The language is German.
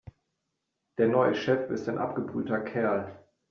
Der neue Chef ist ein abgebrühter Kerl.